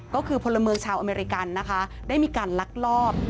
ก็คือพลเมืองชาวอเมริกันนะคะได้มีการลักลอบ